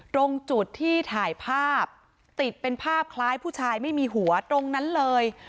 ตรงจุดที่ถ่ายภาพติดเป็นภาพคล้ายผู้ชายไม่มีหัวตรงนั้นเลย